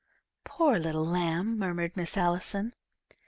"Poor little lamb," murmured Miss Allison.